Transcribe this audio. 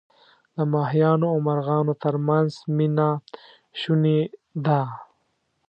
د ماهیانو او مرغانو ترمنځ مینه شوني ده.